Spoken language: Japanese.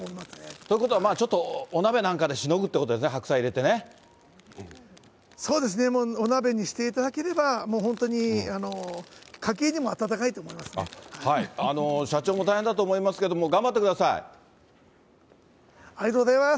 ということは、ちょっとお鍋なんかでしのぐってことですね、そうですね、もうお鍋にしていただければ、もう本当に、社長も大変だと思いますけどありがとうございます。